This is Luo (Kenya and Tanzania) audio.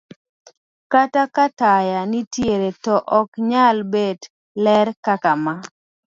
Kata ka taya nitie to ok nyal bet ler kaka ma